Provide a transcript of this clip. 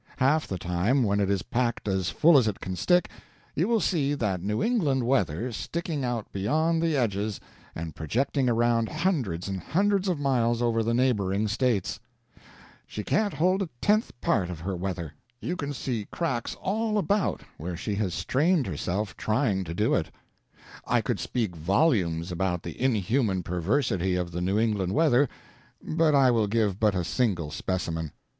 Half the time, when it is packed as full as it can stick, you will see that New England weather sticking out beyond the edges and projecting around hundreds and hundreds of miles over the neighboring states. She can't hold a tenth part of her weather. You can see cracks all about where she has strained herself trying to do it. I could speak volumes about the inhuman perversity of the New England weather, but I will give but a single specimen.